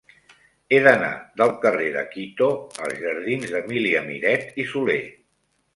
He d'anar del carrer de Quito als jardins d'Emília Miret i Soler.